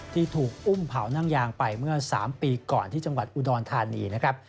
ที่ถูกอุ้มเผานั่งยางไปเมื่อ๓ปีก่อนที่จังหวัดอุดรธานีนะครับ